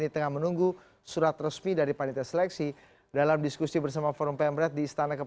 tentu saja ada diskusi ada